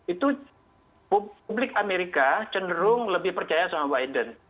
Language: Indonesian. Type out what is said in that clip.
itu publik amerika cenderung lebih percaya sama biden